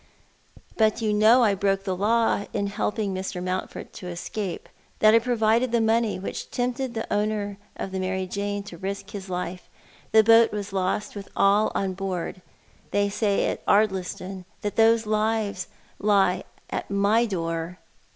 " But you know that I broke the law in helping Mr. Mount ford to escape— that I provided the money which tempted the owner of the Marxj Jane to risk his life.. The boat was lost— What People said. 193 with all on board. They say at Ardliston that those lives lie at my door."